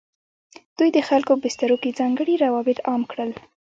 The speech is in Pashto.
دوی د خلکو په بسترو کې ځانګړي روابط عام کړل.